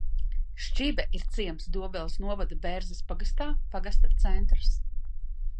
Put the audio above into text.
Šķibe ir ciems Dobeles novada Bērzes pagastā, pagasta centrs.